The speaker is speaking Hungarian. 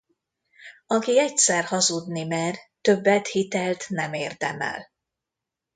Aki egyszer hazudni mer, többet hitelt nem érdemel.